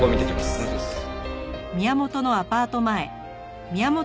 お願いします。